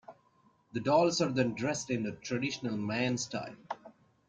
The dolls are then dressed in traditional Mayan style.